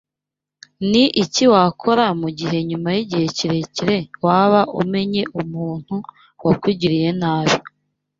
Ni iki wakora mu gihe nyuma y’igihe kirekire waba umenye umuntu wakugiriye nabi